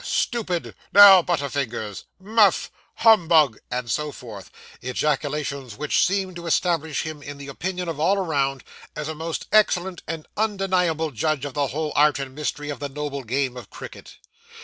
stupid' 'Now, butter fingers' 'Muff' 'Humbug' and so forth ejaculations which seemed to establish him in the opinion of all around, as a most excellent and undeniable judge of the whole art and mystery of the noble game of cricket.